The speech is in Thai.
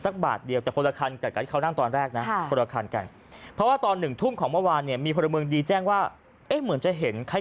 คือพาย้อนเส้นทางาน